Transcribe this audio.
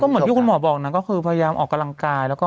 เหมือนที่คุณหมอบอกนะก็คือพยายามออกกำลังกายแล้วก็